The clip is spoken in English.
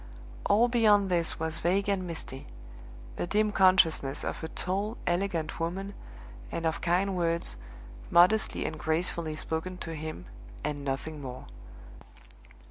All beyond this was vague and misty a dim consciousness of a tall, elegant woman, and of kind words, modestly and gracefully spoken to him, and nothing more.